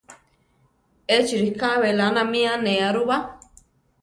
Échi ríka belána mi anéa ru ba.